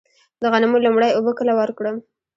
د غنمو لومړۍ اوبه کله ورکړم؟